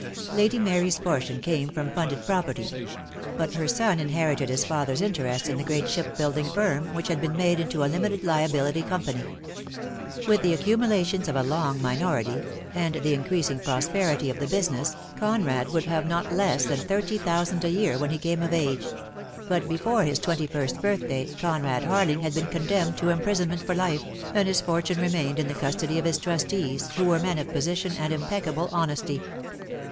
Lady Mary's portion came from funded pro perty; but her son inherited his father's interest in the great shipbuilding firm, which had been made into a Limited Liability Company. With the accumulations of a long minority, and the in creasing prosperity of the business, Conrad would have not less than thirty thousand a year when he came of age; but before his twenty first birthday Conrad Harling had been condemned to imprison ment for life, and his fortune remained in the custody of his trustees, who were men of position and impeccable honesty.